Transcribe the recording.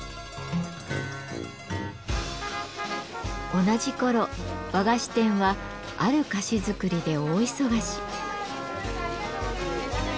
同じ頃和菓子店はある菓子作りで大忙し。